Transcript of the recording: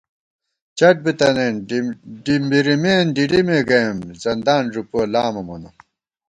چٹ بِتَنَئیم، ڈِمبِرِمېن ڈِڈِمےگَئیم ، زندان ݫُپُوَہ لامہ مونہ